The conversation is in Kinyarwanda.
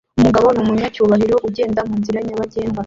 Umugore numunyacyubahiro ugenda munzira nyabagendwa